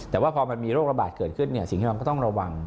แต่ว่าพอมันมีโรคระบาดเกิดขึ้นสิ่งที่มันก็ต้องระวัง